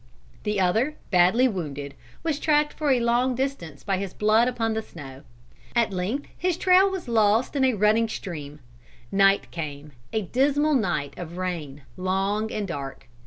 The other, badly wounded, was tracked for a long distance by his blood upon the snow. At length his trail was lost in a running stream. Night came, a dismal night of rain, long and dark.